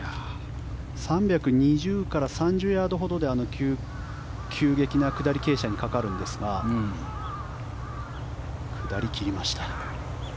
３２０から３０ヤードほどで急激な下り傾斜にかかるんですが下り切りました。